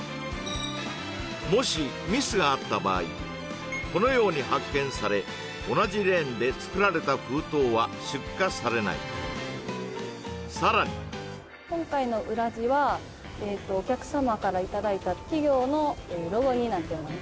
もしミスがあった場合このように発見され同じレーンで作られた封筒は出荷されないさらにお客様からいただいた企業のロゴになってます